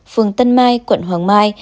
phường tân mai quận hoàng mai